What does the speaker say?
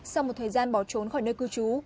sau một thời gian bỏ trốn khỏi nơi cư trú